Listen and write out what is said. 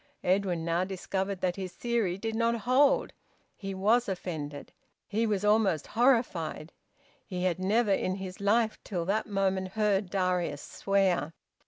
Edwin now discovered that his theory did not hold. He was offended. He was almost horrified. He had never in his life till that moment heard Darius swear.